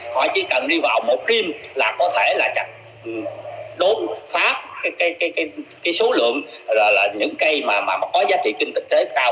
họ chỉ cần đi vào một kim là có thể là chặt đốn phát cái số lượng là những cây mà có giá trị kinh tế cao của chúng ta là lớn